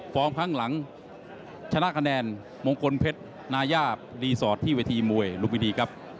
ครั้งหลังชนะคะแนนมงคลเพชรนาย่ารีสอร์ทที่เวทีมวยลุมพินีครับ